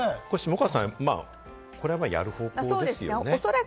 下川さん、これはやる方向ですよね？